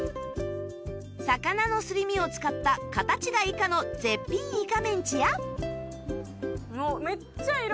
魚のすり身を使った形がイカの絶品いかめんちや